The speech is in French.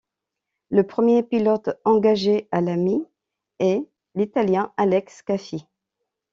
Le premier pilote engagé, à la mi-, est l'Italien Alex Caffi.